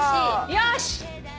よし！